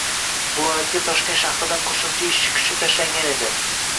Viloyatga Toshkent shahridan qoʻshimcha ishchi kuchi tashlangan edi.